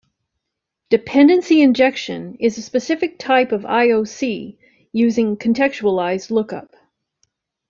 Dependency injection is a specific type of IoC using contextualized lookup.